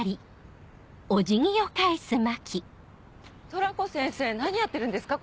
トラコ先生何やってるんですか？